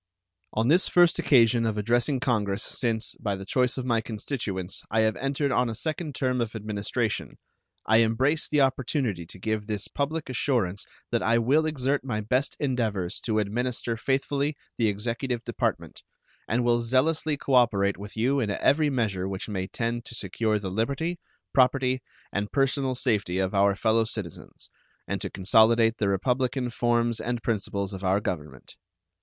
On this first occasion of addressing Congress since, by the choice of my constituents, I have entered on a second term of administration, I embrace the opportunity to give this public assurance that I will exert my best endeavors to administer faithfully the executive department, and will zealously cooperate with you in every measure which may tend to secure the liberty, property, and personal safety of our fellow citizens, and to consolidate the republican forms and principles of our Government.